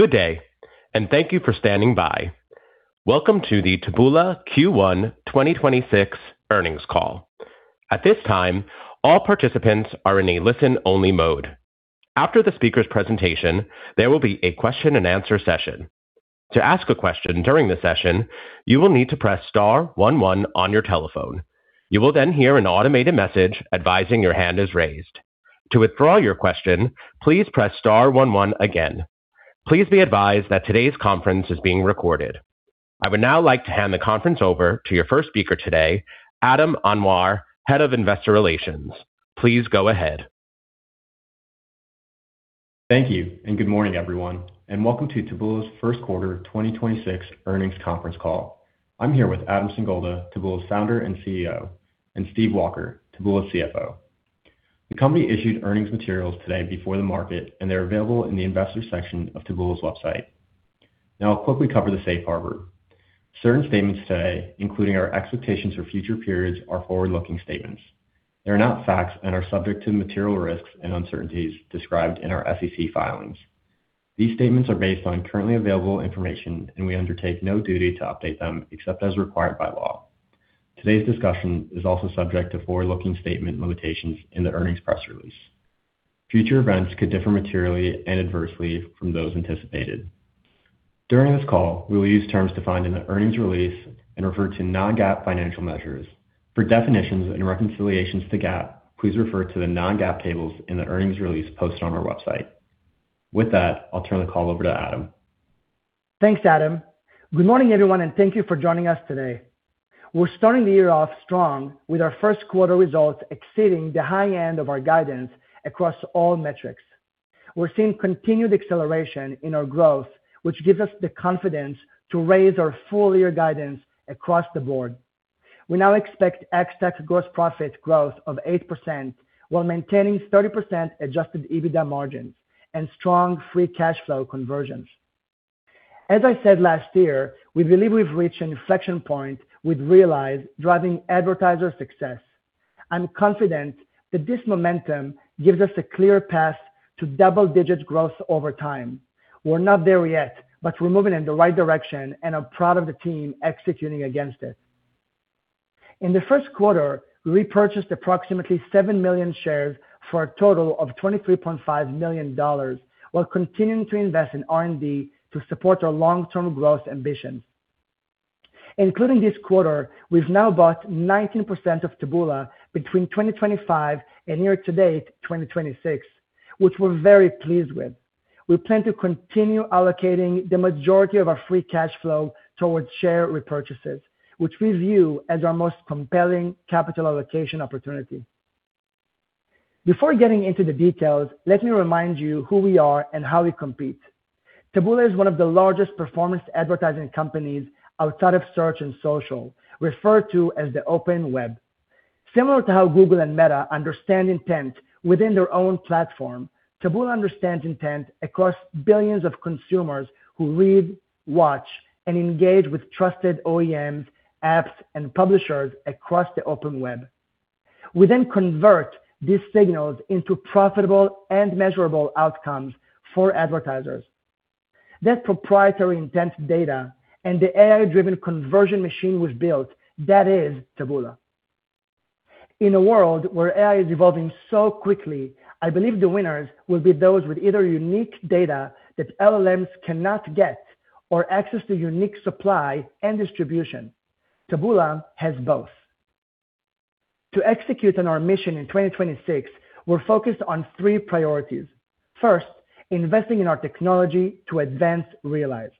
Good day, and thank you for standing by. Welcome to the Taboola Q1 2026 earnings call. At this time, all participants are in a listen-only mode. After the speaker's presentation, there will be a question-and-answer session. To ask a question during the session, you will need to press star one one on your telephone. To withdraw your question, please press star one one again. Please be advised that today's conference is being recorded. I would now like to hand the conference over to your first speaker today, Adam Anwar Head of Investor Relations. Please go ahead. Thank you, and good morning, everyone, and welcome to Taboola's first quarter 2026 earnings conference call. I'm here with Adam Singolda, Taboola's Founder and CEO, and Steve Walker, Taboola's CFO. The company issued earnings materials today before the market, and they're available in the investors section of Taboola's website. Now I'll quickly cover the Safe Harbor. Certain statements today, including our expectations for future periods, are forward-looking statements. They are not facts and are subject to material risks and uncertainties described in our SEC filings. These statements are based on currently available information, and we undertake no duty to update them except as required by law. Today's discussion is also subject to forward-looking statement limitations in the earnings press release. Future events could differ materially and adversely from those anticipated. During this call, we will use terms defined in the earnings release and refer to non-GAAP financial measures. For definitions and reconciliations to GAAP, please refer to the non-GAAP tables in the earnings release posted on our website. With that, I'll turn the call over to Adam. Thanks, Adam. Good morning, everyone, and thank you for joining us today. We're starting the year off strong with our first quarter results exceeding the high end of our guidance across all metrics. We're seeing continued acceleration in our growth, which gives us the confidence to raise our full-year guidance across the board. We now expect ex-TAC gross profit growth of 8% while maintaining 30% Adjusted EBITDA margins and strong free cash flow conversions. As I said last year, we believe we've reached an inflection point with Realize driving advertiser success. I'm confident that this momentum gives us a clear path to double-digit growth over time. We're not there yet, but we're moving in the right direction, and I'm proud of the team executing against it. In the first quarter, we repurchased approximately 7 million shares for a total of $23.5 million while continuing to invest in R&D to support our long-term growth ambitions. Including this quarter, we've now bought 19% of Taboola between 2025 and year-to-date 2026, which we're very pleased with. We plan to continue allocating the majority of our free cash flow towards share repurchases, which we view as our most compelling capital allocation opportunity. Before getting into the details, let me remind you who we are and how we compete. Taboola is one of the largest performance advertising companies outside of search and social, referred to as the open web. Similar to how Google and Meta understand intent within their own platform, Taboola understands intent across billions of consumers who read, watch, and engage with trusted OEMs, apps, and publishers across the open web. We convert these signals into profitable and measurable outcomes for advertisers. That proprietary intent data and the AI-driven conversion machine we've built, that is Taboola. In a world where AI is evolving so quickly, I believe the winners will be those with either unique data that LLMs cannot get or access to unique supply and distribution. Taboola has both. To execute on our mission in 2026, we're focused on three priorities. First, investing in our technology to advance Realize.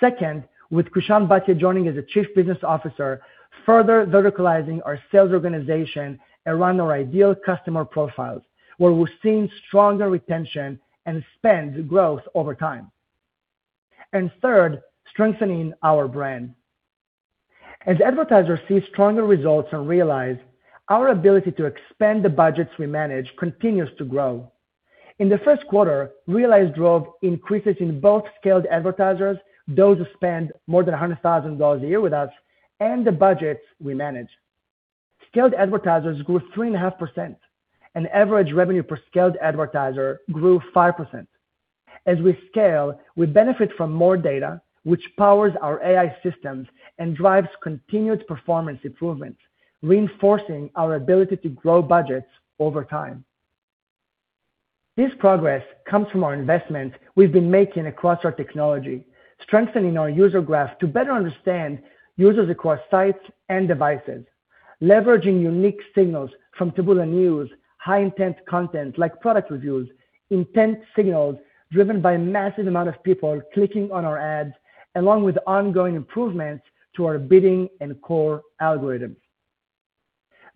Second, with Krishan Bhatia joining as the Chief Business Officer, further verticalizing our sales organization around our ideal customer profiles, where we're seeing stronger retention and spend growth over time. Third, strengthening our brand. As advertisers see stronger results on Realize, our ability to expand the budgets we manage continues to grow. In the first quarter, Realize drove increases in both scaled advertisers, those who spend more than $100,000 a year with us, and the budgets we manage. Scaled advertisers grew 3.5%, and average revenue per scaled advertiser grew 5%. As we scale, we benefit from more data, which powers our AI systems and drives continued performance improvements, reinforcing our ability to grow budgets over time. This progress comes from our investments we've been making across our technology, strengthening our user graph to better understand users across sites and devices, leveraging unique signals from Taboola News, high-intent content like product reviews, intent signals driven by massive amount of people clicking on our ads, along with ongoing improvements to our bidding and core algorithms.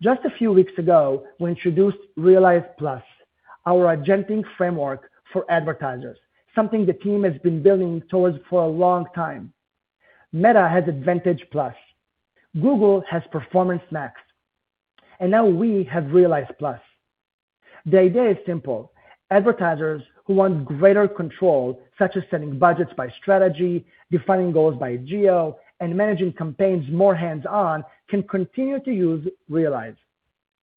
Just a few weeks ago, we introduced Realize+, our agentic framework for advertisers, something the team has been building towards for a long time. Meta has Advantage+. Google has Performance Max. Now we have Realize+. The idea is simple. Advertisers who want greater control, such as setting budgets by strategy, defining goals by geo, and managing campaigns more hands-on, can continue to use Realize.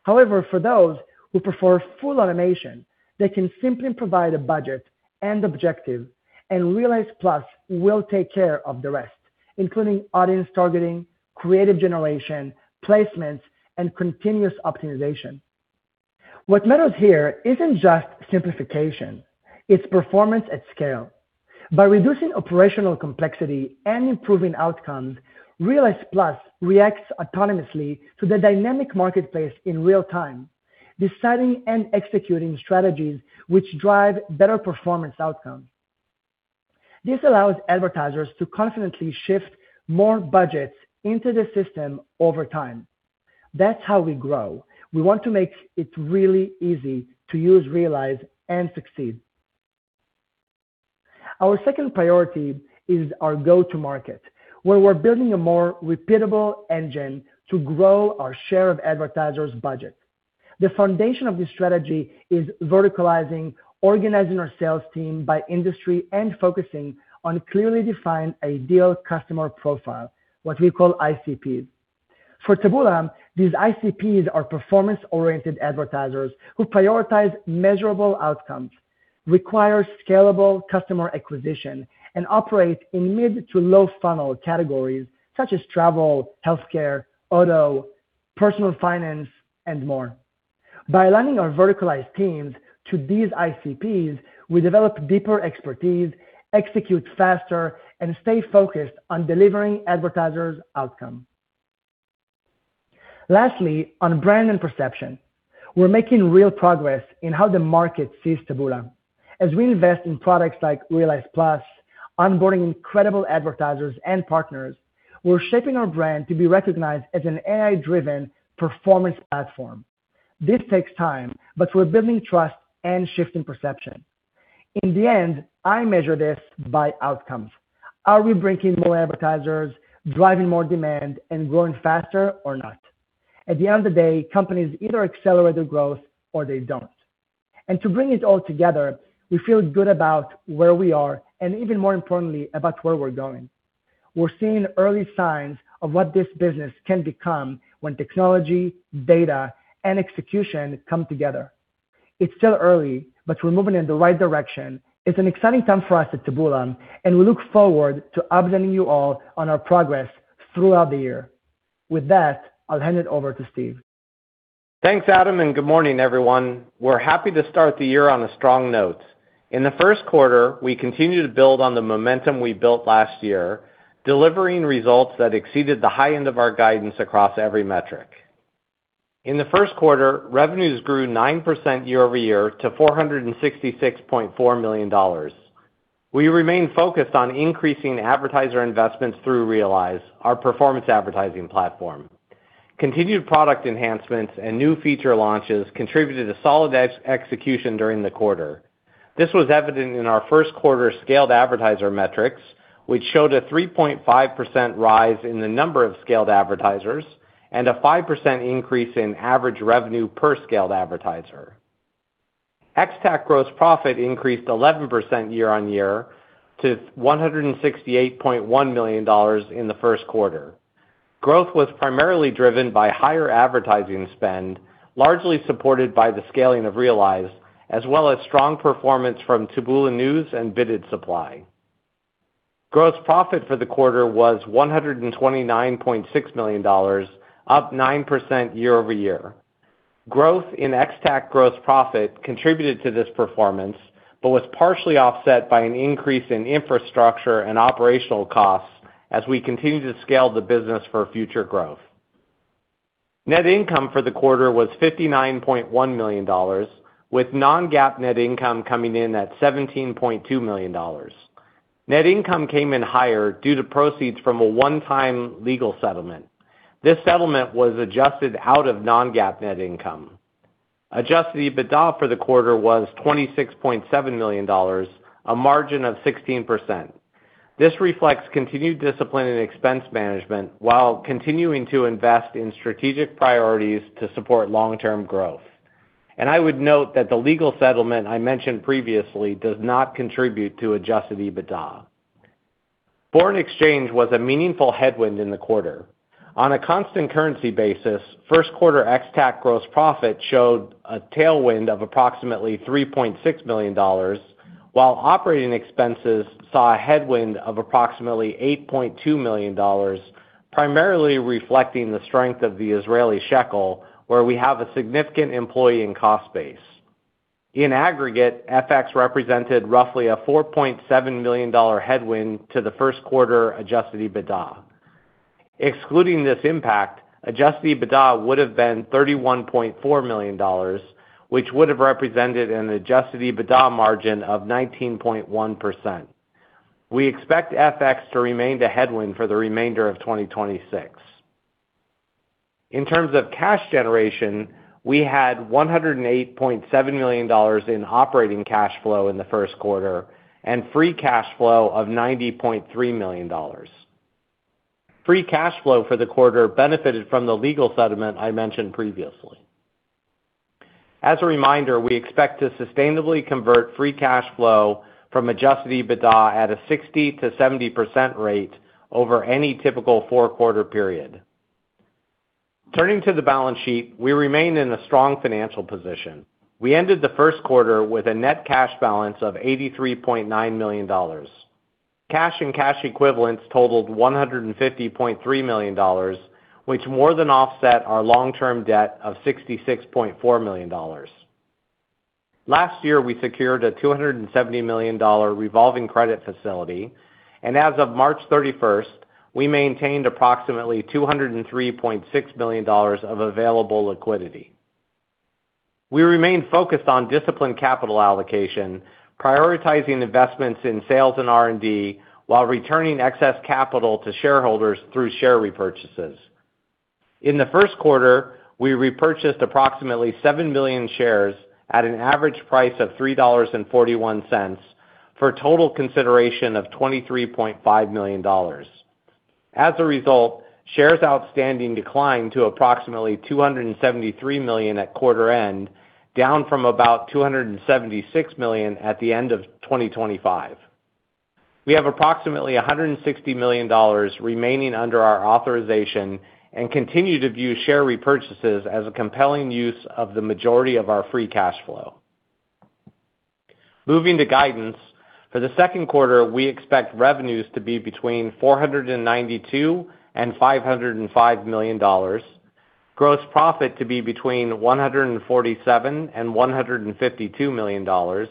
However, for those who prefer full automation, they can simply provide a budget and objective, and Realize+ will take care of the rest, including audience targeting, creative generation, placements, and continuous optimization. What matters here isn't just simplification, it's performance at scale. By reducing operational complexity and improving outcomes, Realize+ reacts autonomously to the dynamic marketplace in real time, deciding and executing strategies which drive better performance outcomes. This allows advertisers to confidently shift more budgets into the system over time. That's how we grow. We want to make it really easy to use Realize and succeed. Our second priority is our go-to-market, where we're building a more repeatable engine to grow our share of advertisers' budget. The foundation of this strategy is verticalizing, organizing our sales team by industry, and focusing on clearly defined ideal customer profile, what we call ICPs. For Taboola, these ICPs are performance-oriented advertisers who prioritize measurable outcomes, require scalable customer acquisition, and operate in mid to low-funnel categories such as travel, healthcare, auto, personal finance, and more. By aligning our verticalized teams to these ICPs, we develop deeper expertise, execute faster, and stay focused on delivering advertisers' outcome. Lastly, on brand and perception, we're making real progress in how the market sees Taboola. As we invest in products like Realize+, onboarding incredible advertisers and partners, we're shaping our brand to be recognized as an AI-driven performance platform. This takes time, but we're building trust and shifting perception. In the end, I measure this by outcomes. Are we bringing more advertisers, driving more demand, and growing faster or not? At the end of the day, companies either accelerate their growth or they don't. To bring it all together, we feel good about where we are, and even more importantly, about where we're going. We're seeing early signs of what this business can become when technology, data, and execution come together. It's still early, but we're moving in the right direction. It's an exciting time for us at Taboola, and we look forward to updating you all on our progress throughout the year. With that, I'll hand it over to Steve. Thanks, Adam, and good morning, everyone. In the first quarter, we continued to build on the momentum we built last year, delivering results that exceeded the high end of our guidance across every metric. In the first quarter, revenues grew 9% year-over-year to $466.4 million. We remain focused on increasing advertiser investments through Realize, our performance advertising platform. Continued product enhancements and new feature launches contributed to solid execution during the quarter. This was evident in our first quarter scaled advertiser metrics, which showed a 3.5% rise in the number of scaled advertisers and a 5% increase in average revenue per scaled advertiser. ex-TAC gross profit increased 11% year-over-year to $168.1 million in the first quarter. Growth was primarily driven by higher advertising spend, largely supported by the scaling of Realize, as well as strong performance from Taboola News and Bidded Supply. Gross profit for the quarter was $129.6 million, up 9% year-over-year. Growth in ex-TAC gross profit contributed to this performance, but was partially offset by an increase in infrastructure and operational costs as we continue to scale the business for future growth. Net income for the quarter was $59.1 million, with non-GAAP net income coming in at $17.2 million. Net income came in higher due to proceeds from a one-time legal settlement. This settlement was adjusted out of non-GAAP net income. Adjusted EBITDA for the quarter was $26.7 million, a margin of 16%. This reflects continued discipline in expense management while continuing to invest in strategic priorities to support long-term growth. I would note that the legal settlement I mentioned previously does not contribute to Adjusted EBITDA. Foreign exchange was a meaningful headwind in the quarter. On a constant currency basis, first quarter ex-TAC gross profit showed a tailwind of approximately $3.6 million, while operating expenses saw a headwind of approximately $8.2 million, primarily reflecting the strength of the Israeli shekel, where we have a significant employee and cost base. In aggregate, FX represented roughly a $4.7 million headwind to the first quarter Adjusted EBITDA. Excluding this impact, Adjusted EBITDA would have been $31.4 million, which would have represented an Adjusted EBITDA margin of 19.1%. We expect FX to remain the headwind for the remainder of 2026. In terms of cash generation, we had $108.7 million in operating cash flow in the first quarter and free cash flow of $90.3 million. Free cash flow for the quarter benefited from the legal settlement I mentioned previously. As a reminder, we expect to sustainably convert free cash flow from Adjusted EBITDA at a 60%-70% rate over any typical four-quarter period. Turning to the balance sheet, we remain in a strong financial position. We ended the first quarter with a net cash balance of $83.9 million. Cash and cash equivalents totaled $150.3 million, which more than offset our long-term debt of $66.4 million. Last year, we secured a $270 million revolving credit facility, and as of March 31, we maintained approximately $203.6 million of available liquidity. We remain focused on disciplined capital allocation, prioritizing investments in sales and R&D while returning excess capital to shareholders through share repurchases. In the first quarter, we repurchased approximately 7 million shares at an average price of $3.41 for a total consideration of $23.5 million. As a result, shares outstanding declined to approximately 273 million at quarter-end, down from about 276 million at the end of 2025. We have approximately $160 million remaining under our authorization and continue to view share repurchases as a compelling use of the majority of our free cash flow. Moving to guidance, for the second quarter, we expect revenues to be between $492 million and $505 million, gross profit to be between $147 million and $152 million,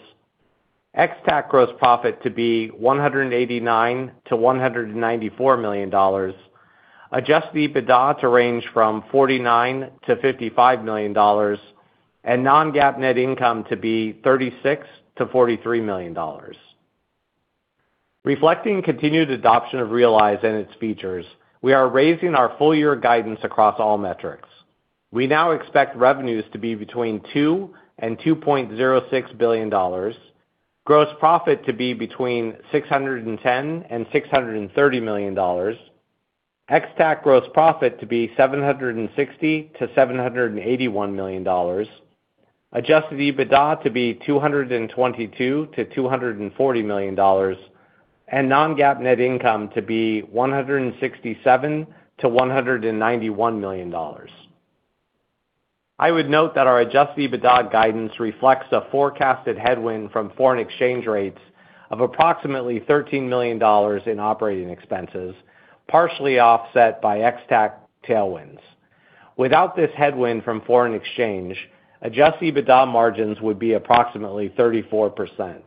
ex-TAC gross profit to be $189 million to $194 million, Adjusted EBITDA to range from $49 million-$55 million, and non-GAAP net income to be $36 million-$43 million. Reflecting continued adoption of Realize and its features, we are raising our full year guidance across all metrics. We now expect revenues to be between $2 billion and $2.06 billion, gross profit to be between $610 million and $630 million, ex-TAC gross profit to be $760 million-$781 million, Adjusted EBITDA to be $222 million-$240 million, and non-GAAP net income to be $167 million-$191 million. I would note that our Adjusted EBITDA guidance reflects a forecasted headwind from foreign exchange rates of approximately $13 million in operating expenses, partially offset by ex-TAC tailwinds. Without this headwind from foreign exchange, Adjusted EBITDA margins would be approximately 34%.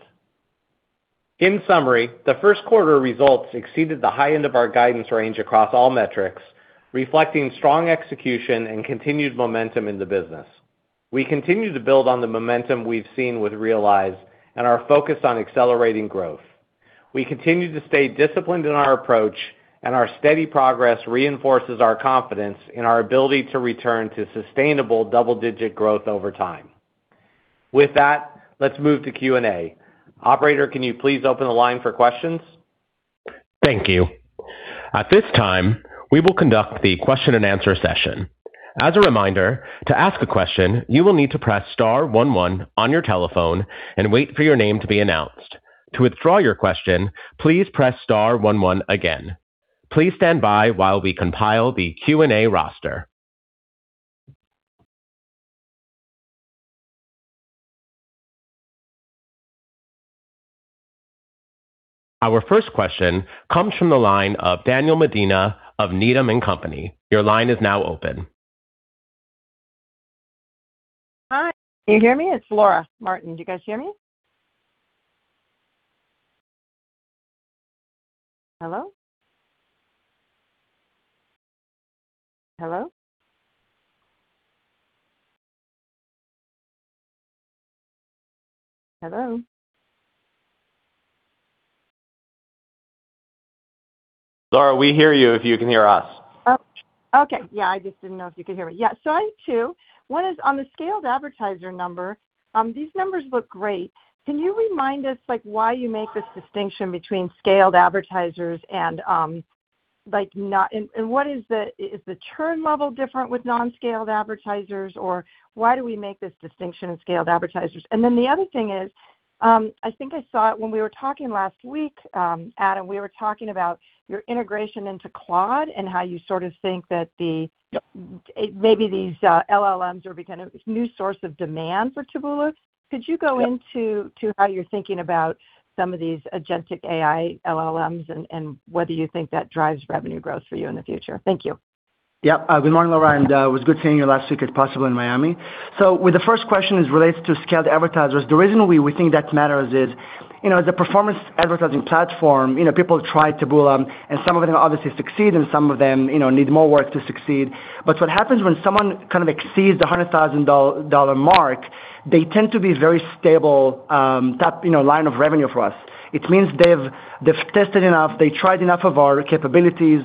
In summary, the first quarter results exceeded the high end of our guidance range across all metrics, reflecting strong execution and continued momentum in the business. We continue to build on the momentum we've seen with Realize and are focused on accelerating growth. We continue to stay disciplined in our approach, and our steady progress reinforces our confidence in our ability to return to sustainable double-digit growth over time. With that, let's move to Q&A. Operator, can you please open the line for questions? Thank you. At this time, we will conduct the question-and-answer session. As a reminder, to ask a question, you will need to press star one one on your telephone and wait for your name to be announced. To withdraw your question, please press star one one again. Please stand by while we compile the Q&A roster. Our first question comes from the line of Daniel Medina of Needham & Company. Your line is now open. Hi, can you hear me? It's Laura Martin. Do you guys hear me? Hello? Hello? Hello? Laura, we hear you if you can hear us. Oh, okay. Yeah, I just didn't know if you could hear me. Yeah, I have two. One is on the scaled advertiser number. These numbers look great. Can you remind us, like, why you make this distinction between scaled advertisers and what is the churn level different with non-scaled advertisers, or why do we make this distinction in scaled advertisers? The other thing is, I think I saw it when we were talking last week, Adam, we were talking about your integration into Claude and how you sort of think that the- Yep. -maybe these LLMs will be kind of new source of demand for Taboola. Could you go into how you're thinking about some of these agentic AI LLMs and whether you think that drives revenue growth for you in the future? Thank you. Yeah. Good morning, Laura, and it was good seeing you last week at Possible in Miami. With the first question as it relates to scaled advertisers, the reason we think that matters is, you know, as a performance advertising platform, you know, people try Taboola, and some of them obviously succeed, and some of them, you know, need more work to succeed. What happens when someone kind of exceeds the $100,000 mark, they tend to be very stable, tap, you know, line of revenue for us. It means they've. They've tested enough, they tried enough of our capabilities,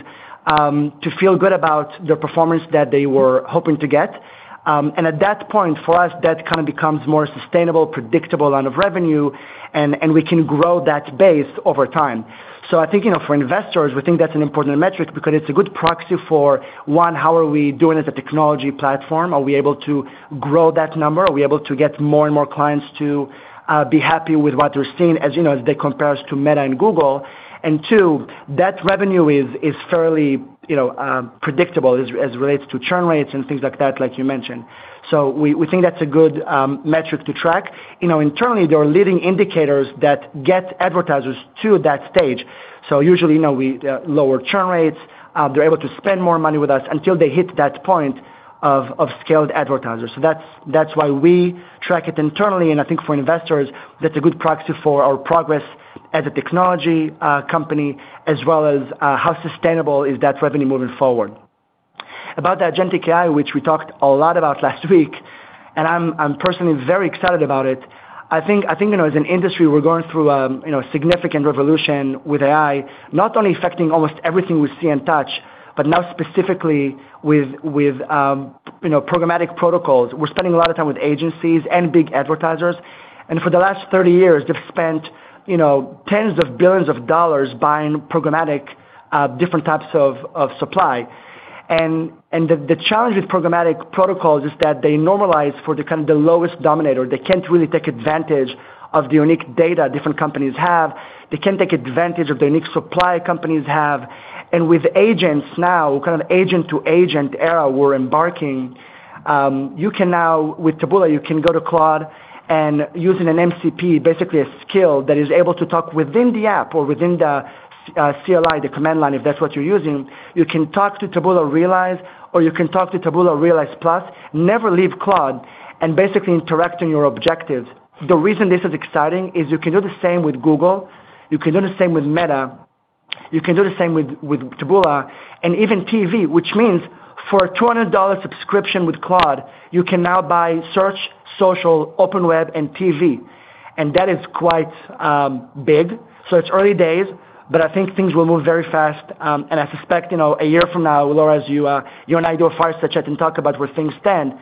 to feel good about the performance that they were hoping to get. At that point, for us, that kind of becomes more sustainable, predictable line of revenue, and we can grow that base over time. I think, you know, for investors, we think that's an important metric because it's a good proxy for, 1, how are we doing as a technology platform? Are we able to grow that number? Are we able to get more and more clients to be happy with what they're seeing, as, you know, as they compare us to Meta and Google. two, that revenue is fairly, you know, predictable as it relates to churn rates and things like that, like you mentioned. We think that's a good metric to track. You know, internally, there are leading indicators that get advertisers to that stage. Usually, you know, we lower churn rates, they're able to spend more money with us until they hit that point of scaled advertisers. That's why we track it internally, and I think for investors, that's a good proxy for our progress as a technology company, as well as how sustainable is that revenue moving forward. About the agentic AI, which we talked a lot about last week, and I'm personally very excited about it. I think, you know, as an industry, we're going through, you know, significant revolution with AI, not only affecting almost everything we see and touch, but now specifically with, you know, programmatic protocols. We're spending a lot of time with agencies and big advertisers, for the last 30 years, they've spent, you know, tens of billions of dollars buying programmatic, different types of supply. The challenge with programmatic protocols is that they normalize for the kind of the lowest dominator. They can't really take advantage of the unique data different companies have. They can't take advantage of the unique supply companies have. With agents now, kind of agent-to-agent era we're embarking, you can now, with Taboola, you can go to Claude and using an MCP, basically a skill that is able to talk within the app or within the CLI, the command line, if that's what you're using. You can talk to Taboola Realize, or you can talk to Taboola Realize+, never leave Claude, and basically interact on your objectives. The reason this is exciting is you can do the same with Google, you can do the same with Meta, you can do the same with Taboola, and even TV, which means for a $200 subscription with Claude, you can now buy search, social, open web, and TV. That is quite big. It's early days, but I think things will move very fast, and I suspect, you know, a year from now, Laura, as you and I do a fireside chat and talk about where things stand,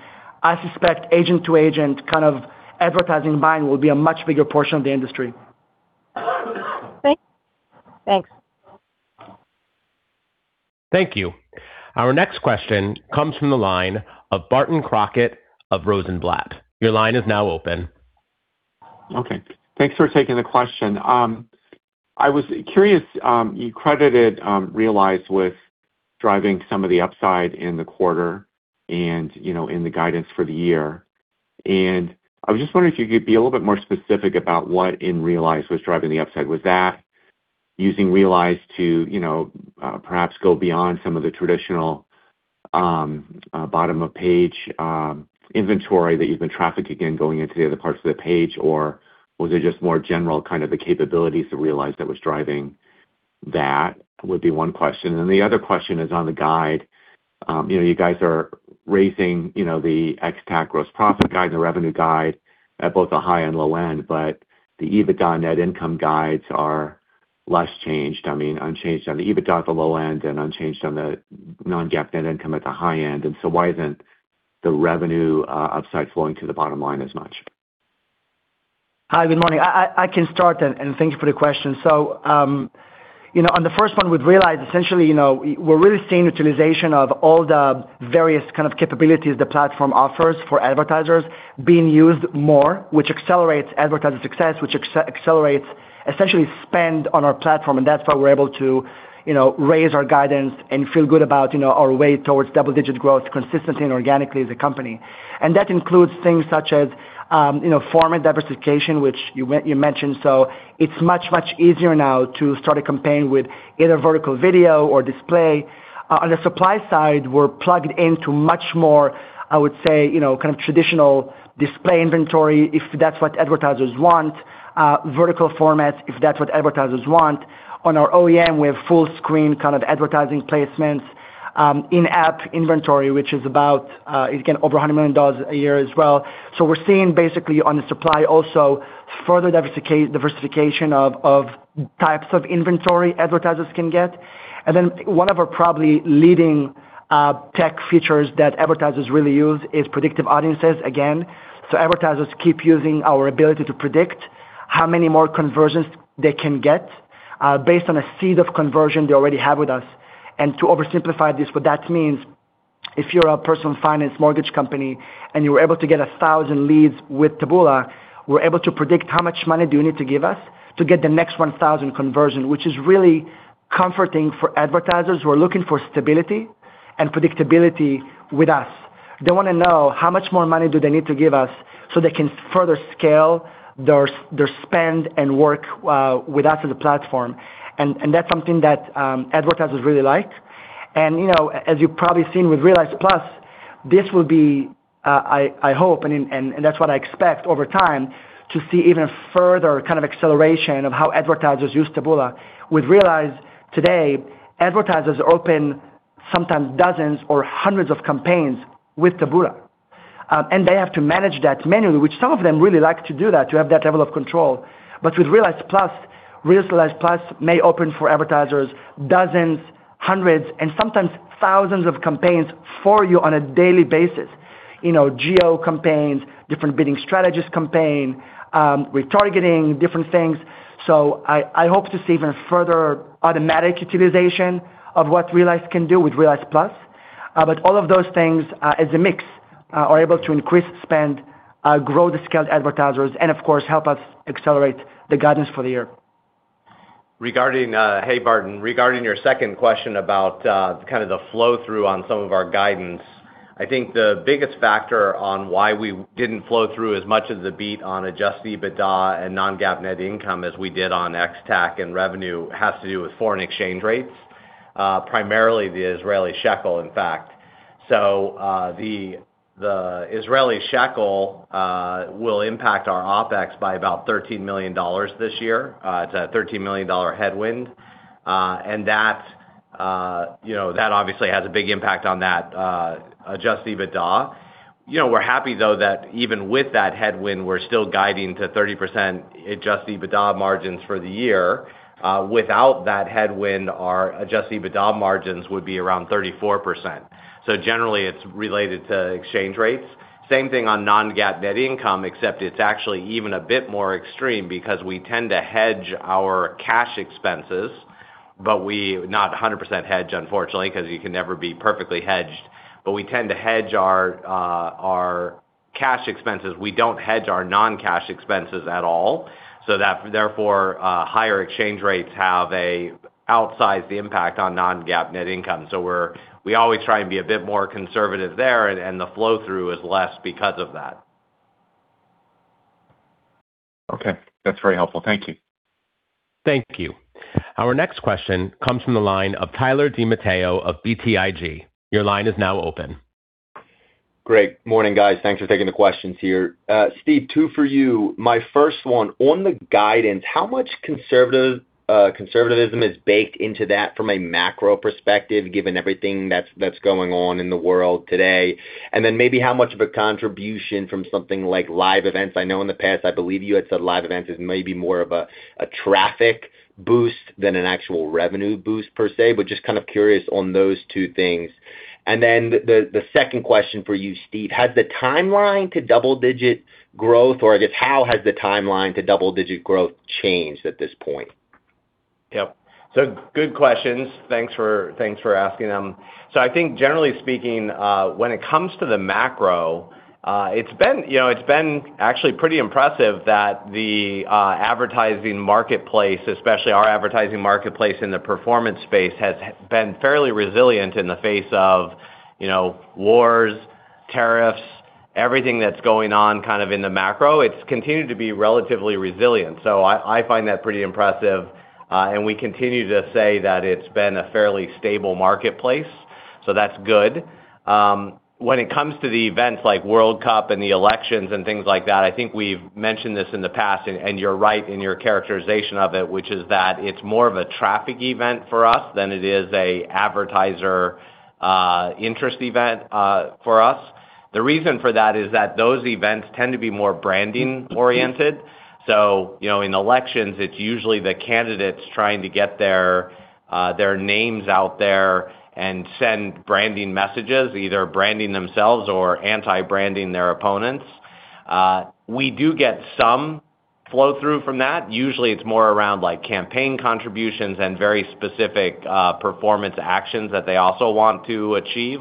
I suspect agent-to-agent kind of advertising buying will be a much bigger portion of the industry. Thanks. Thank you. Our next question comes from the line of Barton Crockett of Rosenblatt. Your line is now open. Okay. Thanks for taking the question. I was curious, you credited Realize with driving some of the upside in the quarter and, you know, in the guidance for the year. I was just wondering if you could be a little bit more specific about what in Realize was driving the upside. Was that using Realize to, you know, perhaps go beyond some of the traditional bottom of page inventory that you've been trafficking and going into the other parts of the page? Was it just more general kind of the capabilities to Realize that was driving that? Would be one question. The other question is on the guide. You know, you guys are raising, you know, the ex-TAC gross profit guide and the revenue guide at both the high and low end, but the EBITDA net income guides are less changed. I mean, unchanged on the EBITDA at the low end and unchanged on the non-GAAP net income at the high end. Why isn't the revenue upside flowing to the bottom line as much? Hi, good morning. I can start, thank you for the question. You know, on the first one with Realize, essentially, you know, we're really seeing utilization of all the various kind of capabilities the platform offers for advertisers being used more, which accelerates advertiser success, which accelerates essentially spend on our platform. That's why we're able to, you know, raise our guidance and feel good about, you know, our way towards double-digit growth consistently and organically as a company. That includes things such as, you know, format diversification, which you mentioned. It's much easier now to start a campaign with either vertical video or display. On the supply side, we're plugged into much more, I would say, you know, kind of traditional display inventory, if that's what advertisers want. Vertical formats, if that's what advertisers want. On our OEM, we have full screen kind of advertising placements, in-app inventory, which is about, again, over $100 million a year as well. We're seeing basically on the supply also further diversification of types of inventory advertisers can get. One of our probably leading tech features that advertisers really use is predictive audiences, again. Advertisers keep using our ability to predict how many more conversions they can get, based on a seed of conversion they already have with us. To oversimplify this, what that means, if you're a personal finance mortgage company and you were able to get 1,000 leads with Taboola, we're able to predict how much money do you need to give us to get the next 1,000 conversion, which is really comforting for advertisers who are looking for stability and predictability with us. They wanna know how much more money do they need to give us so they can further scale their spend and work with us as a platform. That's something that advertisers really like. You know, as you've probably seen with Realize+, this will be, I hope, and that's what I expect over time, to see even further kind of acceleration of how advertisers use Taboola. With Realize today, advertisers open sometimes dozens or hundreds of campaigns with Taboola. They have to manage that manually, which some of them really like to do that, to have that level of control. With Realize+, Realize+ may open for advertisers dozens, hundreds, and sometimes thousands of campaigns for you on a daily basis. You know, geo campaigns, different bidding strategies campaign, retargeting different things. I hope to see even further automatic utilization of what Realize can do with Realize+. All of those things, as a mix, are able to increase spend, grow the scaled advertisers and of course help us accelerate the guidance for the year. Regarding, hey Barton, regarding your second question about kind of the flow-through on some of our guidance, I think the biggest factor on why we didn't flow through as much as the beat on Adjusted EBITDA and non-GAAP net income as we did on ex-TAC and revenue has to do with foreign exchange rates, primarily the Israeli shekel, in fact. The Israeli shekel will impact our OpEx by about $13 million this year, it's a $13 million headwind. And that, you know, that obviously has a big impact on that Adjusted EBITDA. You know, we're happy though that even with that headwind, we're still guiding to 30% Adjusted EBITDA margins for the year. Without that headwind, our Adjusted EBITDA margins would be around 34%. Generally, it's related to exchange rates. Same thing on non-GAAP net income, except it's actually even a bit more extreme because we tend to hedge our cash expenses, but we not 100% hedged, unfortunately, because you can never be perfectly hedged. We tend to hedge our cash expenses. We don't hedge our non-cash expenses at all, so that therefore, higher exchange rates have an outsized impact on non-GAAP net income. We always try and be a bit more conservative there, and the flow-through is less because of that. Okay. That's very helpful. Thank you. Thank you. Our next question comes from the line of Tyler DiMatteo of BTIG. Your line is now open. Great morning, guys. Thanks for taking the questions here. Steve, two for you. My first one, on the guidance, how much conservatism is baked into that from a macro perspective, given everything that's going on in the world today? Then maybe how much of a contribution from something like live events? I know in the past, I believe you had said live events is maybe more of a traffic boost than an actual revenue boost per se, but just kind of curious on those two things. Then the second question for you, Steve, has the timeline to double-digit growth, or I guess how has the timeline to double-digit growth changed at this point? Yep. Good questions. Thanks for asking them. I think generally speaking, when it comes to the macro, it's been, you know, it's been actually pretty impressive that the advertising marketplace, especially our advertising marketplace in the performance space, has been fairly resilient in the face of, you know, wars, tariffs, everything that's going on kind of in the macro. It's continued to be relatively resilient. I find that pretty impressive, and we continue to say that it's been a fairly stable marketplace, that's good. When it comes to the events like World Cup and the elections and things like that, I think we've mentioned this in the past, and you're right in your characterization of it, which is that it's more of a traffic event for us than it is a advertiser interest event for us. The reason for that is that those events tend to be more branding-oriented. You know, in elections, it's usually the candidates trying to get their names out there and send branding messages, either branding themselves or anti-branding their opponents. We do get some flow-through from that. Usually, it's more around like campaign contributions and very specific performance actions that they also want to achieve.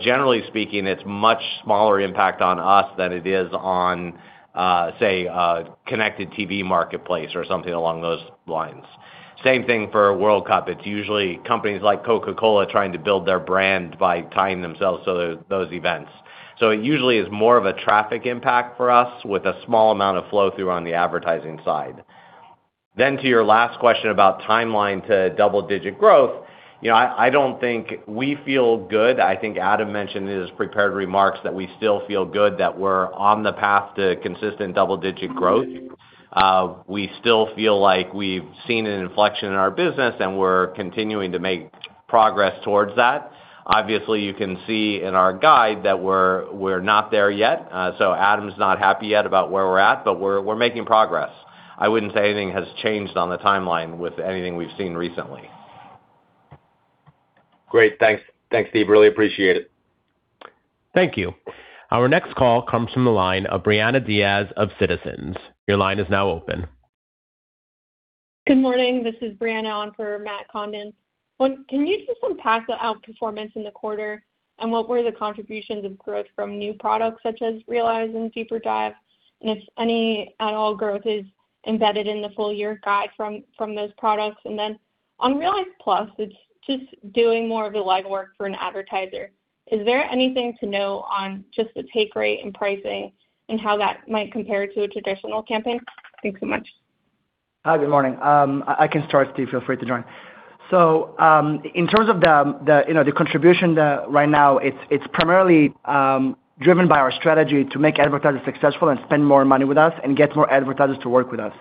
Generally speaking, it's much smaller impact on us than it is on, say, a connected TV marketplace or something along those lines. Same thing for World Cup. It's usually companies like Coca-Cola trying to build their brand by tying themselves to those events. It usually is more of a traffic impact for us with a small amount of flow-through on the advertising side. To your last question about timeline to double-digit growth. You know, I don't think we feel good. I think Adam mentioned in his prepared remarks that we still feel good that we're on the path to consistent double-digit growth. We still feel like we've seen an inflection in our business, and we're continuing to make progress towards that. Obviously, you can see in our guide that we're not there yet. Adam's not happy yet about where we're at, but we're making progress. I wouldn't say anything has changed on the timeline with anything we've seen recently. Great. Thanks. Thanks, Steve. Really appreciate it. Thank you. Our next call comes from the line of Brianna Diaz of Citizens. Your line is now open. Good morning. This is Brianna on for Matt Condon. One, can you just unpack the outperformance in the quarter, and what were the contributions of growth from new products such as Realize and DeeperDive? If any at all growth is embedded in the full year guide from those products. Then on Realize+, it's just doing more of the legwork for an advertiser. Is there anything to know on just the take rate and pricing and how that might compare to a traditional campaign? Thanks so much. Hi, good morning. I can start, Steve, feel free to join. In terms of the, you know, the contribution, right now, it's primarily driven by our strategy to make advertisers successful and spend more money with us and get more advertisers to work with us.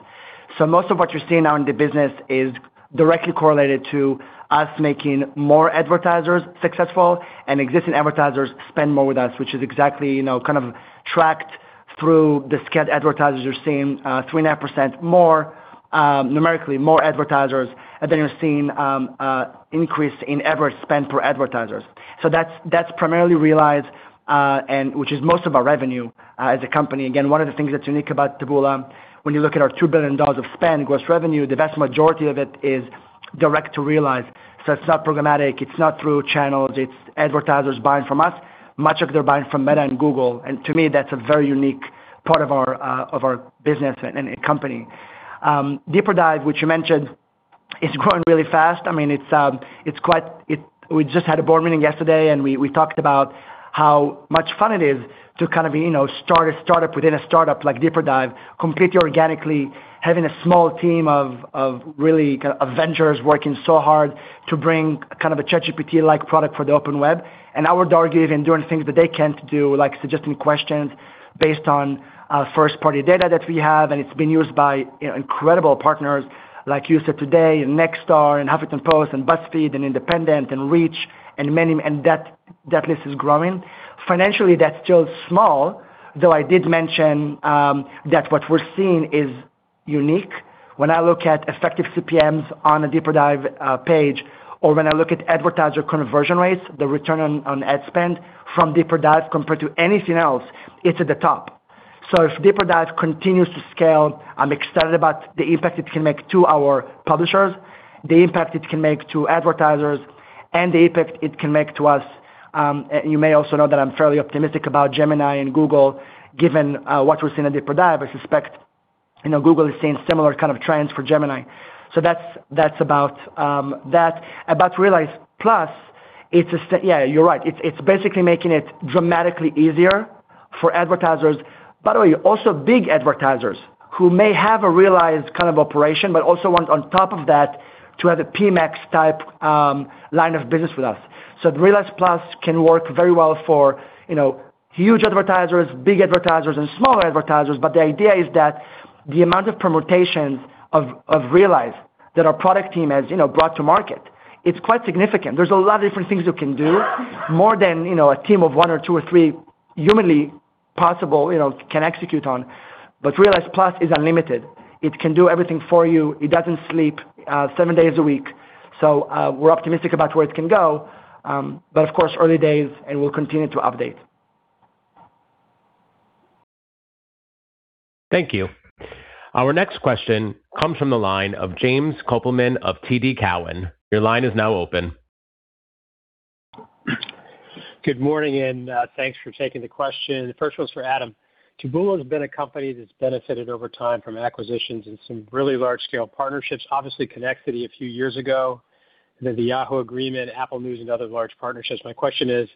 Most of what you're seeing now in the business is directly correlated to us making more advertisers successful and existing advertisers spend more with us, which is exactly, you know, kind of tracked through the scaled advertisers. You're seeing 3.5% more numerically more advertisers than you're seeing increase in average spend per advertisers. That's primarily Realize, and which is most of our revenue as a company. One of the things that's unique about Taboola, when you look at our $2 billion of spend gross revenue, the vast majority of it is direct to Realize. It's not programmatic, it's not through channels, it's advertisers buying from us. Much of they're buying from Meta and Google. To me, that's a very unique part of our business and company. DeeperDive, which you mentioned, is growing really fast. I mean, it's quite we just had a board meeting yesterday, and we talked about how much fun it is to kind of, you know, start a startup within a startup like DeeperDive, completely organically having a small team of really kind of avengers working so hard to bring kind of a ChatGPT-like product for the open web. Our DeeperDive in doing things that they can't do, like suggesting questions based on first-party data that we have, and it's been used by, you know, incredible partners like USA Today and Nexstar and HuffPost and BuzzFeed and The Independent and Reach and many more. That list is growing. Financially, that's still small, though I did mention that what we're seeing is unique. When I look at effective CPMs on a DeeperDive page, or when I look at advertiser conversion rates, the return on ad spend from DeeperDive compared to anything else, it's at the top. If DeeperDive continues to scale, I'm excited about the impact it can make to our publishers, the impact it can make to advertisers, and the impact it can make to us. You may also know that I'm fairly optimistic about Gemini and Google given what we're seeing at DeeperDive. I suspect, you know, Google is seeing similar kind of trends for Gemini. That's about that. About Realize+, yeah, you're right. It's basically making it dramatically easier for advertisers. By the way, also big advertisers who may have a Realize kind of operation, but also want on top of that to have a PMX-type line of business with us. Realize+ can work very well for, you know, huge advertisers, big advertisers, and smaller advertisers. The idea is that the amount of permutations of Realize that our product team has, you know, brought to market, it's quite significant. There's a lot of different things you can do more than, you know, a team of one or two or three humanly possible, you know, can execute on. Realize+ is unlimited. It can do everything for you. It doesn't sleep, seven days a week. We're optimistic about where it can go. Of course, early days, and we'll continue to update. Thank you. Our next question comes from the line of Kevin Kopelman of TD Cowen. Your line is now open. Good morning, and thanks for taking the question. The first one's for Adam. Taboola has been a company that's benefited over time from acquisitions and some really large-scale partnerships. Obviously, Connexity a few years ago, the Yahoo agreement, Apple News, and other large partnerships. My question is,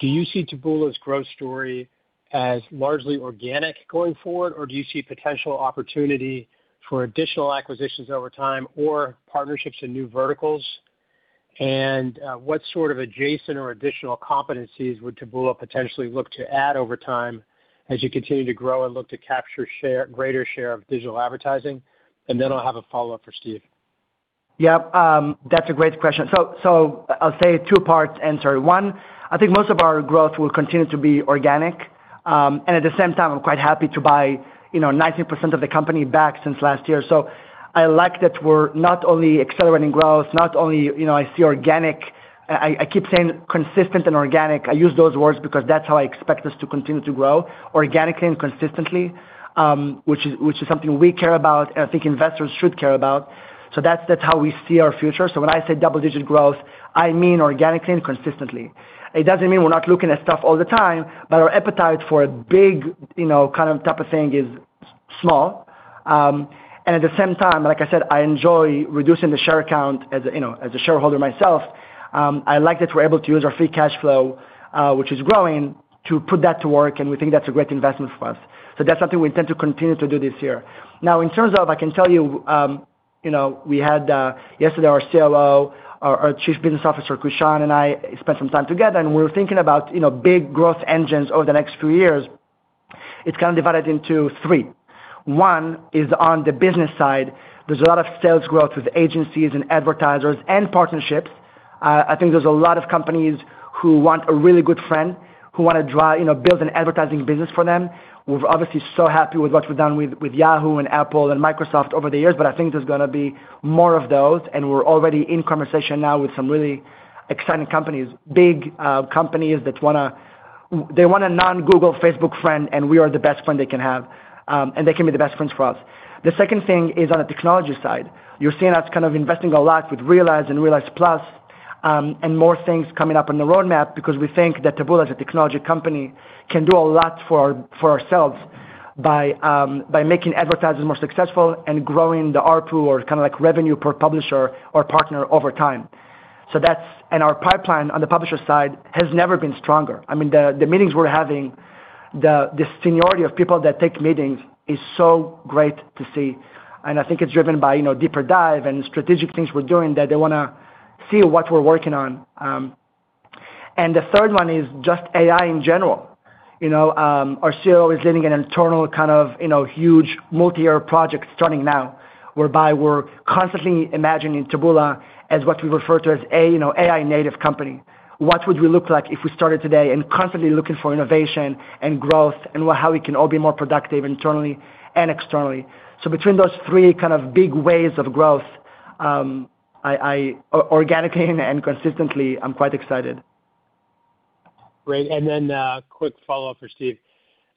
do you see Taboola's growth story as largely organic going forward, or do you see potential opportunity for additional acquisitions over time or partnerships in new verticals? What sort of adjacent or additional competencies would Taboola potentially look to add over time as you continue to grow and look to capture share, greater share of digital advertising? I'll have a follow-up for Steve. That's a great question. So I'll say two parts answer. One, I think most of our growth will continue to be organic. At the same time, I'm quite happy to buy, you know, 19% of the company back since last year. I like that we're not only accelerating growth, not only, you know, I see organic I keep saying consistent and organic. I use those words because that's how I expect us to continue to grow, organically and consistently, which is something we care about and I think investors should care about. That's how we see our future. When I say double-digit growth, I mean organically and consistently. It doesn't mean we're not looking at stuff all the time, but our appetite for a big, you know, kind of type of thing is small. At the same time, like I said, I enjoy reducing the share count as a, you know, as a shareholder myself. I like that we're able to use our free cash flow, which is growing to put that to work, and we think that's a great investment for us. That's something we intend to continue to do this year. In terms of, I can tell you know, we had yesterday our COO, our Chief Business Officer, Krishan, and I spent some time together, and we were thinking about, you know, big growth engines over the next few years. It's kind of divided into three. One is on the business side. There's a lot of sales growth with agencies and advertisers and partnerships. I think there's a lot of companies who want a really good friend, who wanna, you know, build an advertising business for them. We're obviously so happy with what we've done with Yahoo and Apple and Microsoft over the years, I think there's gonna be more of those, and we're already in conversation now with some really exciting companies, big companies that want a non-Google, Facebook friend, and we are the best friend they can have, and they can be the best friends for us. The second thing is on the technology side. You're seeing us kind of investing a lot with Realize and Realize+, more things coming up on the roadmap because we think that Taboola as a technology company can do a lot for our, for ourselves by making advertisers more successful and growing the ARPU or kind of like revenue per publisher or partner over time. Our pipeline on the publisher side has never been stronger. I mean, the meetings we're having, the seniority of people that take meetings is so great to see. I think it's driven by, you know, DeeperDive and strategic things we're doing that they wanna see what we're working on. The third one is just AI in general. You know, our CO is leading an internal kind of, you know, huge multiyear project starting now, whereby we're constantly imagining Taboola as what we refer to as AI native company. What would we look like if we started today, and constantly looking for innovation and growth, and how we can all be more productive internally and externally. Between those three kind of big waves of growth, organically and consistently, I'm quite excited. Great. Then, quick follow-up for Steve.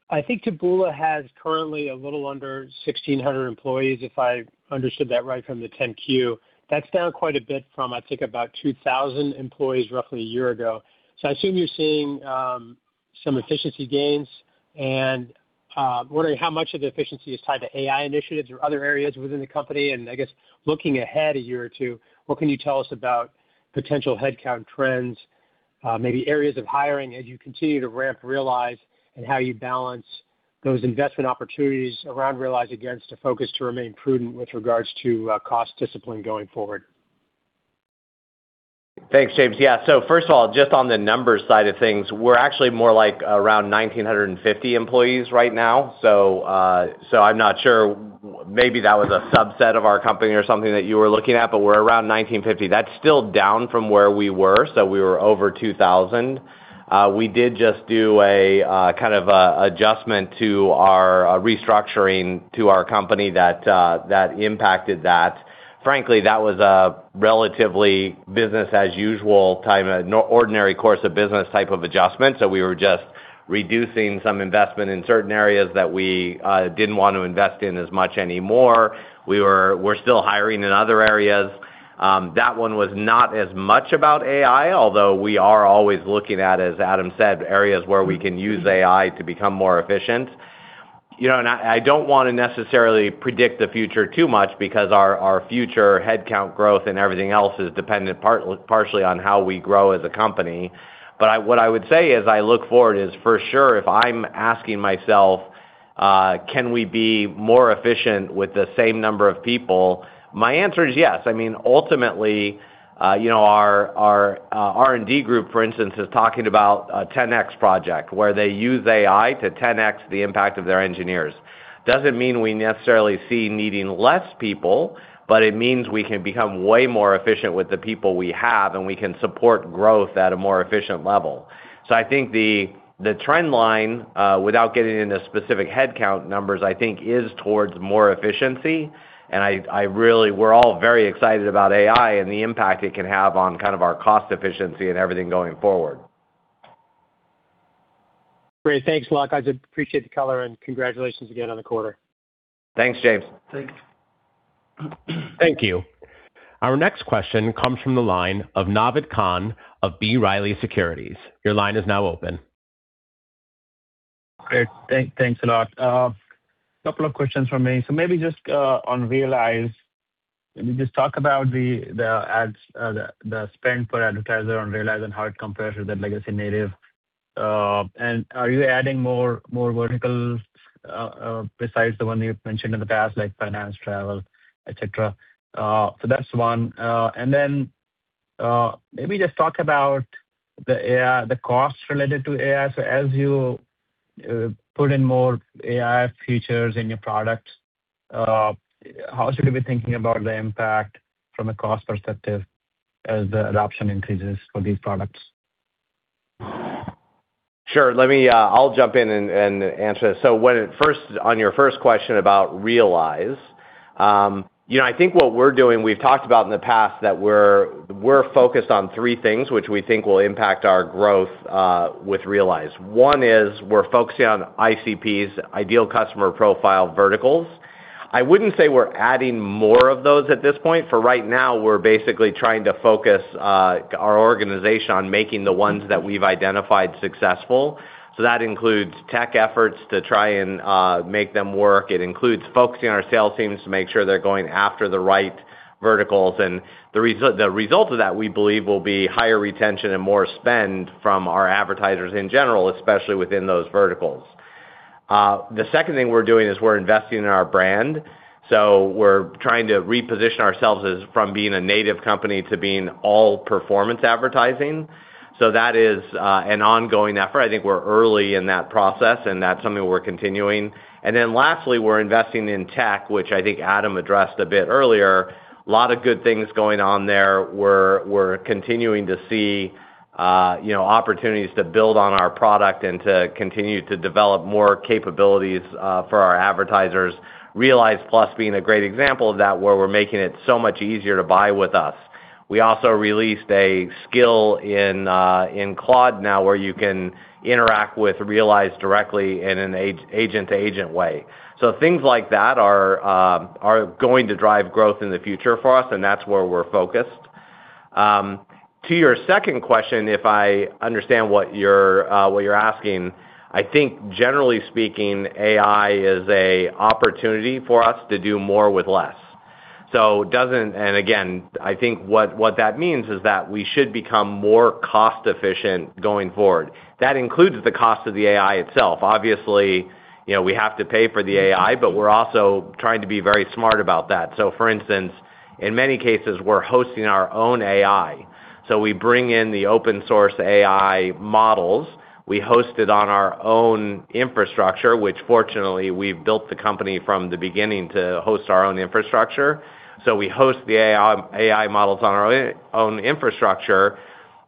I think Taboola has currently a little under 1,600 employees, if I understood that right from the 10-Q. That's down quite a bit from, I think, about 2,000 employees roughly a year ago. I assume you're seeing some efficiency gains, I'm wondering how much of the efficiency is tied to AI initiatives or other areas within the company. I guess looking ahead a year or two, what can you tell us about potential headcount trends, maybe areas of hiring as you continue to ramp Realize, and how you balance those investment opportunities around Realize against a focus to remain prudent with regards to cost discipline going forward? Thanks, James. Yeah. First of all, just on the numbers side of things, we're actually more like around 1,950 employees right now. I'm not sure, maybe that was a subset of our company or something that you were looking at, but we're around 1,950. That's still down from where we were, we were over 2,000. We did just do a kind of a adjustment to our restructuring to our company that impacted that. Frankly, that was a relatively business as usual type of ordinary course of business type of adjustment, we were just reducing some investment in certain areas that we didn't want to invest in as much anymore. We're still hiring in other areas. That one was not as much about AI, although we are always looking at, as Adam said, areas where we can use AI to become more efficient. You know, I don't wanna necessarily predict the future too much because our future headcount growth and everything else is dependent partially on how we grow as a company. What I would say as I look forward is, for sure, if I'm asking myself, can we be more efficient with the same number of people? My answer is yes. I mean, ultimately, you know, our R&D group, for instance, is talking about a 10x project where they use AI to 10x the impact of their engineers. Doesn't mean we necessarily see needing less people, but it means we can become way more efficient with the people we have, and we can support growth at a more efficient level. I think the trend line, without getting into specific headcount numbers, I think is towards more efficiency. I really we're all very excited about AI and the impact it can have on kind of our cost efficiency and everything going forward. Great. Thanks a lot, guys. I appreciate the color and congratulations again on the quarter. Thanks, Kevin. Thanks. Thank you. Our next question comes from the line of Naved Khan of B. Riley Securities. Your line is now open. Great. Thanks a lot. Couple of questions from me. Maybe just on Realize, can you just talk about the ads, the spend per advertiser on Realize and how it compares with the legacy native? Are you adding more verticals besides the one you've mentioned in the past, like finance, travel, et cetera? That's one. Maybe just talk about the AI, the cost related to AI. As you put in more AI features in your products, how should we be thinking about the impact from a cost perspective as the adoption increases for these products? Sure. Let me, I'll jump in and answer this. On your first question about Realize, you know, I think what we're doing, we've talked about in the past that we're focused on three things which we think will impact our growth with Realize. One is we're focusing on ICPs, ideal customer profile verticals. I wouldn't say we're adding more of those at this point. For right now, we're basically trying to focus our organization on making the ones that we've identified successful. That includes tech efforts to try and make them work. It includes focusing our sales teams to make sure they're going after the right verticals. The result of that, we believe, will be higher retention and more spend from our advertisers in general, especially within those verticals. The second thing we're doing is we're investing in our brand. We're trying to reposition ourselves as from being a native company to being all performance advertising. That is an ongoing effort. I think we're early in that process, and that's something we're continuing. Lastly, we're investing in tech, which I think Adam addressed a bit earlier. Lot of good things going on there. We're continuing to see, you know, opportunities to build on our product and to continue to develop more capabilities for our advertisers. Realize+ being a great example of that, where we're making it so much easier to buy with us. We also released a skill in Claude now where you can interact with Realize directly in an agent-to-agent way. Things like that are going to drive growth in the future for us, and that's where we're focused. To your second question, if I understand what you're asking, I think generally speaking, AI is an opportunity for us to do more with less. And again, I think what that means is that we should become more cost-efficient going forward. That includes the cost of the AI itself. Obviously, you know, we have to pay for the AI, but we're also trying to be very smart about that. For instance, in many cases, we're hosting our own AI. We bring in the open source AI models. We host it on our own infrastructure, which fortunately, we've built the company from the beginning to host our own infrastructure. We host the AI models on our own infrastructure.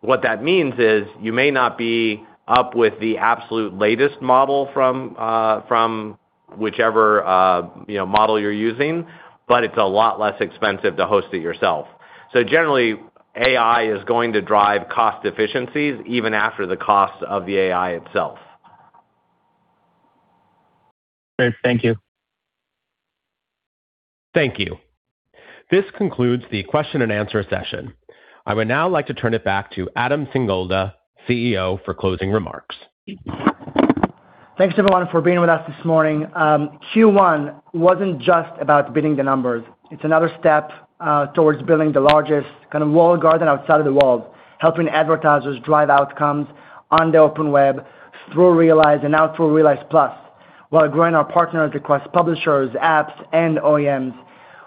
What that means is you may not be up with the absolute latest model from whichever, you know, model you're using, but it's a lot less expensive to host it yourself. Generally, AI is going to drive cost efficiencies even after the cost of the AI itself. Great. Thank you. Thank you. This concludes the question-and-answer session. I would now like to turn it back to Adam Singolda, CEO, for closing remarks. Thanks, everyone, for being with us this morning. Q1 wasn't just about beating the numbers. It's another step towards building the largest kind of walled garden outside of the walls, helping advertisers drive outcomes on the open web through Realize and now through Realize+, while growing our partners across publishers, apps, and OEMs.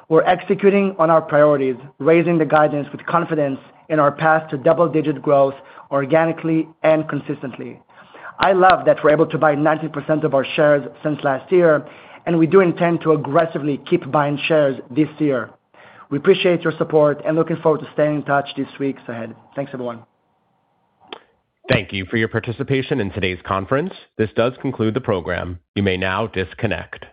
We're executing on our priorities, raising the guidance with confidence in our path to double-digit growth organically and consistently. I love that we're able to buy 19% of our shares since last year, and we do intend to aggressively keep buying shares this year. We appreciate your support and looking forward to staying in touch these weeks ahead. Thanks, everyone. Thank you for your participation in today's conference. This does conclude the program. You may now disconnect.